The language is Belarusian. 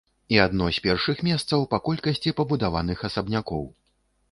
І адно з першых месцаў па колькасці пабудаваных асабнякоў.